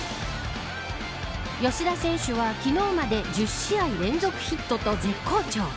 吉田選手は昨日まで１０試合連続ヒットと絶好調。